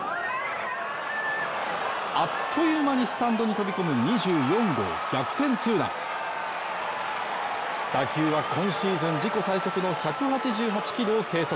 あっという間にスタンドに飛び込む２４号逆転２打打球は今シーズン自己最速の１８８キロを計測。